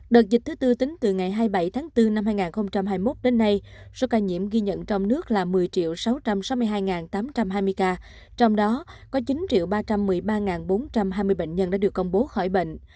đợt dịch thứ tư tính từ ngày hai mươi bảy tháng bốn năm hai nghìn hai mươi một đến nay số ca nhiễm ghi nhận trong nước là một mươi sáu trăm sáu mươi hai tám trăm hai mươi ca trong đó có chín ba trăm một mươi ba bốn trăm hai mươi bệnh nhân đã được công bố khỏi bệnh